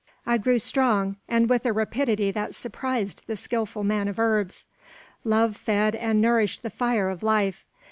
I grew strong, and with a rapidity that surprised the skilful man of herbs. Love fed and nourished the fire of life.